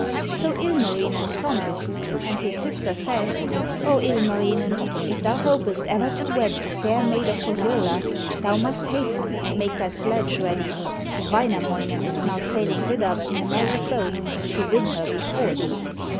So Ilmarinen promised, and his sister said: 'O Ilmarinen, if thou hopest ever to wed the fair maid of Pohjola, thou must hasten and make thy sledge ready, for Wainamoinen is now sailing thither in a magic boat to win her before thee.'